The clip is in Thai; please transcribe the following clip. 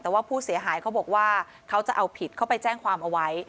แต่ว่าผู้เสียหายเขาบอกว่าเขาจะเอาผิดเขาไปแจ้งความเอาไว้